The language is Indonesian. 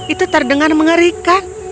itu terdengar mengerikan